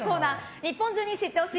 日本中に知ってほしい！